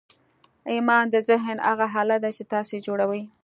ایمان د ذهن هغه حالت دی چې تاسې یې جوړوئ